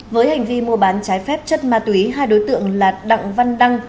với hành vi mua bán trái phép chất ma túy hai đối tượng là đặng văn đăng